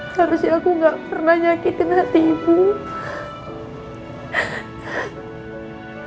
harusnya aku jadi anak yang selalu bikin ibu bahagia dan bangga sama aku